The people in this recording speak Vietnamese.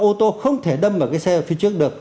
ô tô không thể đâm vào cái xe ở phía trước được